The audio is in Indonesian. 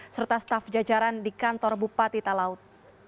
serta staf jajaran di kantor bupati talaut